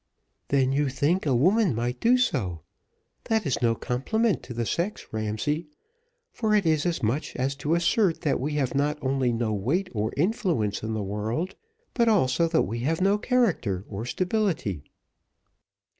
"Then you think a woman might do so? that is no compliment to the sex, Ramsay; for it is as much as to assert that we have not only no weight or influence in the world, but also that we have no character or stability."